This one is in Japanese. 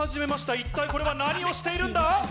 一体これは何をしているんだ？